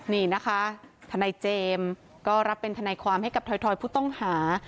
นี่นะคะทนายเจมส์ก็รับเป็นทนายความให้กับถอยผู้ต้องหา